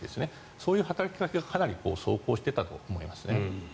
そういう働きかけはかなり奏功していたと思いますね。